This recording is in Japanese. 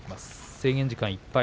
制限時間いっぱい。